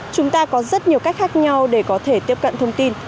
chúng ta có rất nhiều cách khác nhau để có thể tiếp cận thông tin